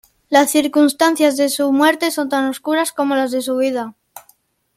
Las circunstancias de su muerte son tan oscuras como las de su vida.